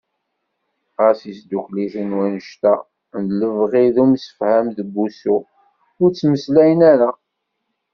Ɣas yesdukel-iten wanect-a n lebɣi d umsefham deg wussu, ur ttmeslayen ara.